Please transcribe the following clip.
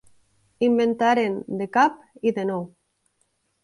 Inventaren de cap i de nou.